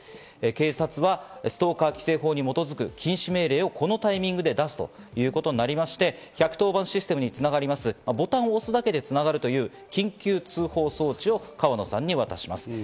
警察はストーカー規制法に基づく禁止命令をこのタイミングで出すということになりまして、１１０番システムに繋がりますボタンを押すだけでつながるという緊急通報装置を川野さんに渡します。